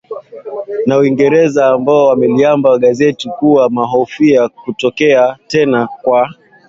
na Uingereza ambao wameliambia gazeti kuwa wanahofia kutokea tena kwa